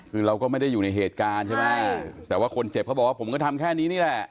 คือเราก็ไม่ได้อยู่ในเหตุการณ์ใช่ไหมแต่ว่าคนเจ็บเขาบอกว่าผมก็ทำแค่นี้นี่แหละ